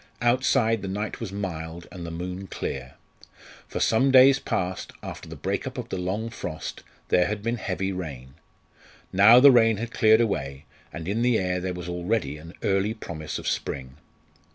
Outside the night was mild, and the moon clear. For some days past, after the break up of the long frost, there had been heavy rain. Now the rain had cleared away, and in the air there was already an early promise of spring.